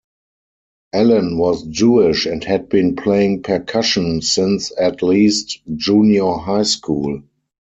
Alan was Jewish and had been playing percussion since at least junior high school.